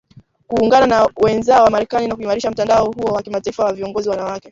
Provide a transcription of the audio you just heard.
kuungana na wenzao wa Marekani na kuimarisha mtandao huo wa kimataifa wa viongozi wanawake